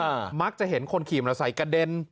มักจะเห็นคนขี่มอเตอร์ไซค์กระเด็น